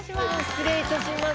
失礼いたします。